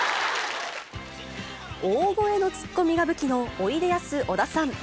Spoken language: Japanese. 大声のツッコミが武器のおいでやす小田さん。